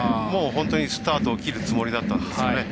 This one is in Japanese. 本当にスタートを切るつもりだったんですね。